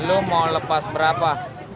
lu mau lepas berapa